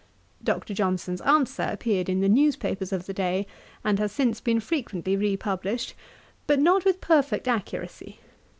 Dr. Johnson's answer appeared in the newspapers of the day, and has since been frequently re published; but not with perfect accuracy.